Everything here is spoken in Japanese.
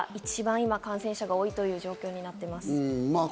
今、感染者が多いという状況になっています。